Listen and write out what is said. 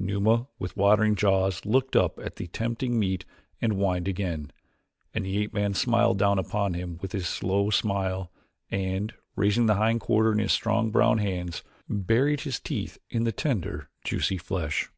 Numa, with watering jaws, looked up at the tempting meat and whined again and the ape man smiled down upon him his slow smile and, raising the hind quarter in his strong brown hands buried his teeth in the tender, juicy flesh.